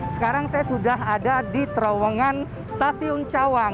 sekarang saya sudah ada di terowongan stasiun cawang